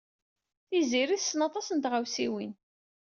Tiziri tessen aṭas n tɣawsiwin.